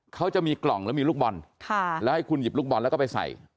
เขาจะมีกล่องแล้วมีลูกบอลแล้วให้คุณหยิบลูกบอลแล้วก็ไปใส่